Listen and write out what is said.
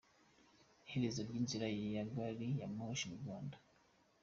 Iherezo ry’inzira ya gari ya moshi mu Rwanda?.